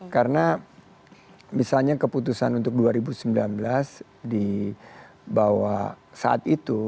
karena misalnya keputusan untuk dua ribu sembilan belas di bawah saat itu